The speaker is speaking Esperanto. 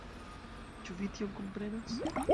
Ĉu vi tion komprenas?